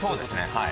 はい。